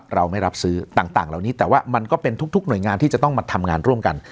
เราไม่รับซื้อต่างเหล่านี้แต่ว่ามันก็เป็นทุกหน่วยงานที่จะต้องมาทำงานร่วมกัน